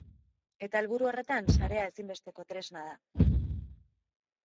Eta helburu horretan, sarea ezinbesteko tresna da.